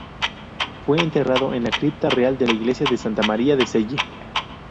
Fue enterrado en la cripta real en la Iglesia de Santa María de Celle.